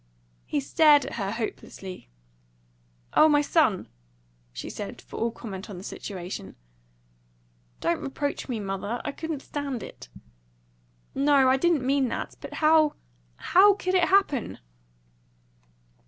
He stared at her hopelessly. "O my son!" she said, for all comment on the situation. "Don't reproach me, mother! I couldn't stand it." "No. I didn't mean to do that. But how HOW could it happen?"